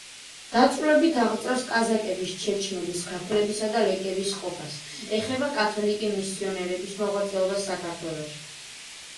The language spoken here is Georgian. დაწვრილებით აღწერს კაზაკების, ჩაჩნების, ქართველებისა და ლეკების ყოფას, ეხება კათოლიკე მისიონერების მოღვაწეობას საქართველოში.